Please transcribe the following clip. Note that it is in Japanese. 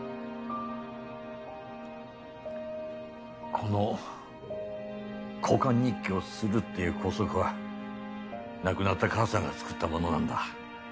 この「交換日記をする」っていう校則は亡くなった母さんが作ったものなんだ。